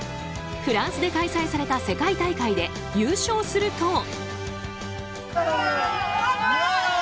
フランスで開催された世界大会で優勝すると。